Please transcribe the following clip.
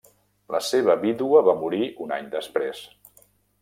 La seva vídua va morir un any després.